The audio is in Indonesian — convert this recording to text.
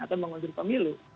atau mengundur pemilu